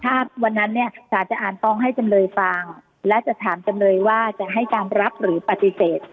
ถ้าวันนั้นเนี่ยสารจะอ่านฟ้องให้จำเลยฟังและจะถามจำเลยว่าจะให้การรับหรือปฏิเสธ